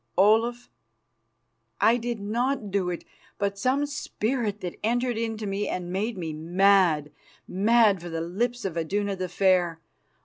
Olaf, I did not do it, but some spirit that entered into me and made me mad mad for the lips of Iduna the Fair.